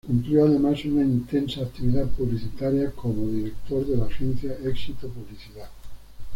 Cumplió además una intensa actividad publicitaria com Director de la agencia "Éxito Publicidad".